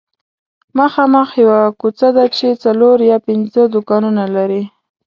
مخامخ یوه کوڅه ده چې څلور یا پنځه دوکانونه لري